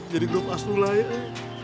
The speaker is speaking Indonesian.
jadi duk asmulaya